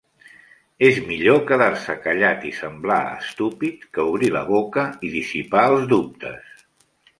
És millor quedar-se callat i semblar estúpid que obrir la boca i dissipar els dubtes.